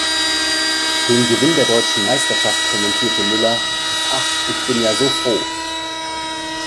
Den Gewinn der deutschen Meisterschaft kommentierte Müller: „Ach, ich bin ja so froh.